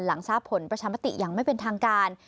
หลังทราบผลประชามติอย่างไม่เป็นทางการ